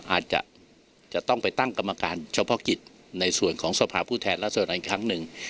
อาจจะจะต้องไปตั้งกรรมการเฉพาะกิจในส่วนของสภาพผู้แทนรัศดรอีกครั้งหนึ่ง